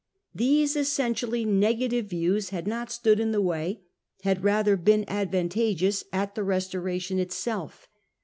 These essentially negative views had not stood in the way, had rather been advantageous, at the Restoration itself.